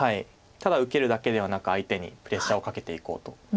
ただ受けるだけではなく相手にプレッシャーをかけていこうと。